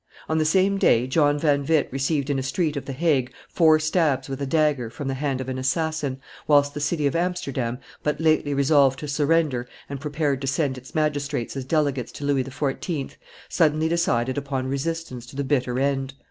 On the same day, John van Witt received in a street of the Hague four stabs with a dagger from the hand of an assassin, whilst the city of Amsterdam, but lately resolved to surrender and prepared to send its magistrates as delegates to Louis XIV., suddenly decided upon resistance to the bitter end.